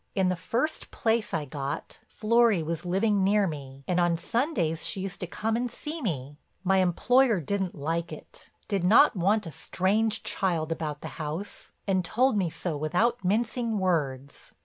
In the first place I got, Florry was living near me and on Sundays she used to come and see me. My employer didn't like it—did not want a strange child about the house and told me so without mincing words.